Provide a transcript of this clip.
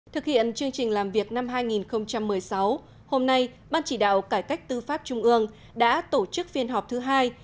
thực hiện chương trình làm việc năm hai nghìn một mươi sáu hôm nay ban chỉ đạo cải cách tư pháp trung ương đã tổ chức phiên họp thứ hai